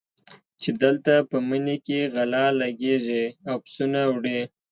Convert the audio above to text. چې دلته په مني کې غله لګېږي او پسونه وړي.